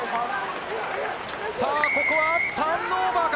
ここはターンオーバーか？